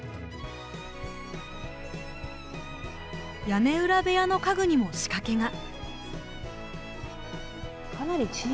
屋根裏部屋の家具にも仕掛けが。